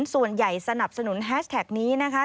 ส่วนใหญ่สนับสนุนแฮชแท็กนี้นะคะ